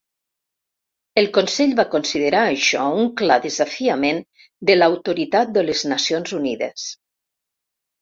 El Consell va considerar això un clar desafiament de l'autoritat de les Nacions Unides.